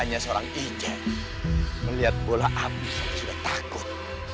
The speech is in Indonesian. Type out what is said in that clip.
katanya seorang hijab melihat bola api sopan sudah takut